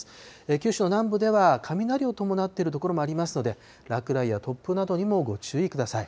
九州の南部では雷を伴っている所もありますので、落雷や突風などにもご注意ください。